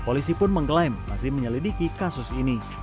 polisi pun mengklaim masih menyelidiki kasus ini